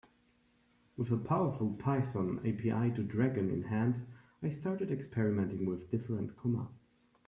With a powerful Python API to Dragon in hand, I started experimenting with different commands.